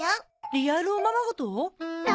リアルおままごと？何？